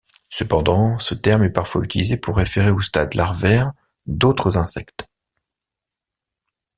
Cependant, ce terme est parfois utilisé pour référer au stade larvaire d'autres insectes.